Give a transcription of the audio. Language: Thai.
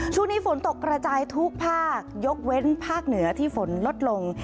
ช่วงนี้ฝนตกกระจายทุกภาคยกเว้นภาคเหนือที่ฝนลดลง